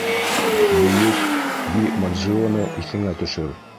Бөйөк Ди Маджионы иҫеңә төшөр.